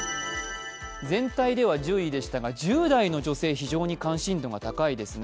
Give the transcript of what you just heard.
全体では１０位でしたが、１０代の女性非常に関心度が高いですね。